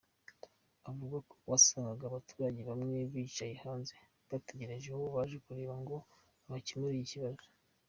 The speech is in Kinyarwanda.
Avuga ko wasangaga abaturage bamwe bicaye hanze bategereje uwo baje kureba ngo abakemurire ikibazo.